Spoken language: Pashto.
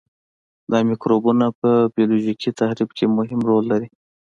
دا مکروبونه په بیولوژیکي تخریب کې مهم رول لري.